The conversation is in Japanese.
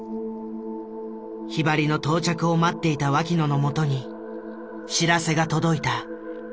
ひばりの到着を待っていた脇野のもとに知らせが届いた。